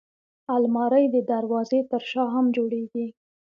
الماري د دروازې تر شا هم جوړېږي